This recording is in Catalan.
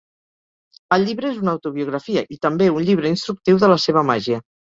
El llibre és una autobiografia i també un llibre instructiu de la seva màgia.